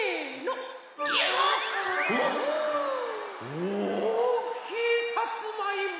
おおきいさつまいも！